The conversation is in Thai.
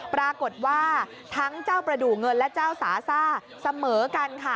ปรากฏว่าทั้งเจ้าประดูกเงินและเจ้าสาซ่าเสมอกันค่ะ